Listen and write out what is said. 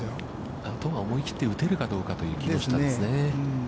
あとは思い切って打てるかどうかという木下ですね。